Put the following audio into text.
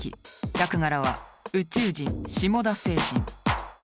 役柄は宇宙人シモダ星人。